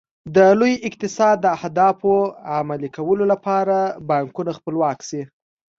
د لوی اقتصاد د اهدافو عملي کولو لپاره بانکونه خپلواک شي.